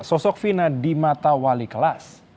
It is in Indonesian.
sosok fina di mata wali kelas